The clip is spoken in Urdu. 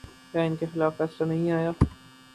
کیا ان کے خلاف فیصلہ نہیں آیا؟